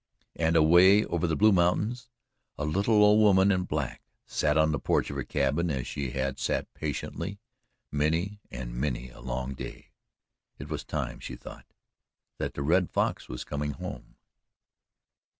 And away over the blue mountains a little old woman in black sat on the porch of her cabin as she had sat patiently many and many a long day. It was time, she thought, that the Red Fox was coming home.